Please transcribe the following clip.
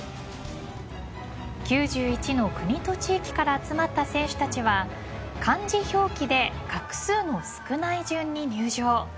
９１の国と地域から集まった選手たちは漢字表記で画数の少ない順に入場。